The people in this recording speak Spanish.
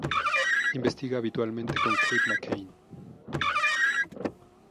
Investiga habitualmente con Kate McCain.